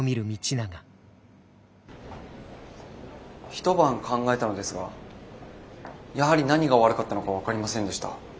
一晩考えたのですがやはり何が悪かったのか分かりませんでした。